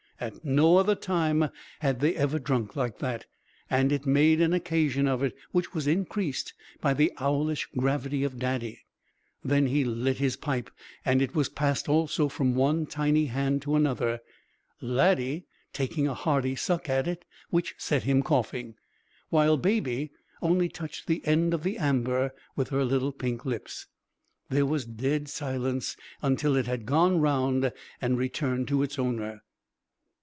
At no other time had they ever drunk like that, and it made an occasion of it which was increased by the owlish gravity of Daddy. Then he lit his pipe and it was passed also from one tiny hand to another, Laddie taking a hearty suck at it, which set him coughing, while Baby only touched the end of the amber with her little pink lips. There was dead silence until it had gone round and returned to its owner.